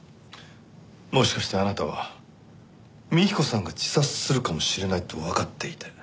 もしかしてあなたは幹子さんが自殺するかもしれないとわかっていて。